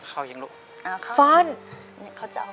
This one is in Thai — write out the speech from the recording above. เขายังหลุด